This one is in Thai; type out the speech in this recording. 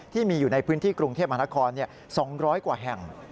ที่มีอยู่ในพื้นที่กรุงเทพมหานคร๒๐๐กว่าแห่ง